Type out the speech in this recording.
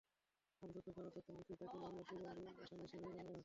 আপাতত পাওয়া তথ্যের ভিত্তিতে তাঁকে মামলার সন্দিগ্ধ আসামি হিসেবে গণ্য করা হচ্ছে।